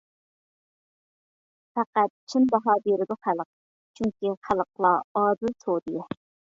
پەقەت چىن باھا بېرىدۇ خەلق، چۈنكى خەلقلا ئادىل سودىيە.